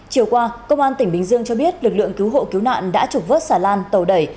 chiều qua công an tỉnh bình dương cho biết lực lượng cứu hộ cứu nạn đã trục vớt xà lan tàu đẩy